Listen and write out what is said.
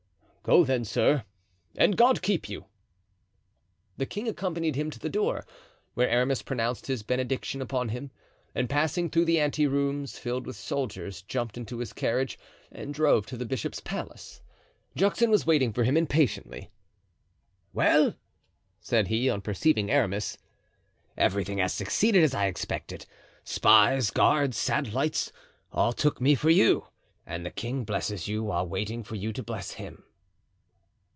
"Go, then, sir, and God keep you!" The king accompanied him to the door, where Aramis pronounced his benediction upon him, and passing through the ante rooms, filled with soldiers, jumped into his carriage and drove to the bishop's palace. Juxon was waiting for him impatiently. "Well?" said he, on perceiving Aramis. "Everything has succeeded as I expected; spies, guards, satellites, all took me for you, and the king blesses you while waiting for you to bless him."